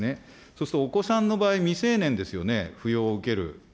そうすると、お子さんの場合、未成年ですよね、扶養を受ける。